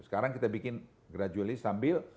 sekarang kita bikin gradualis sambil